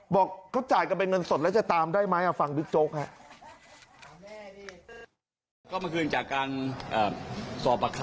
บอกเขาจ่ายกันเป็นเงินสดแล้วจะตามได้ไหมฟังบิ๊กโจ๊กครับ